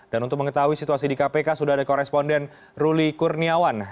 dan untuk mengetahui situasi di kpk sudah ada koresponden ruli kurniawan